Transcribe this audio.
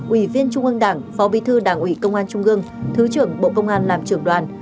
ủy viên trung ương đảng phó bí thư đảng ủy công an trung ương thứ trưởng bộ công an làm trưởng đoàn